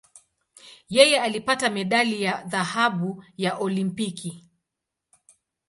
Yeye alipata medali ya dhahabu ya Olimpiki.